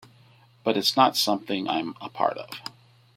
But it's not something I'm a part of.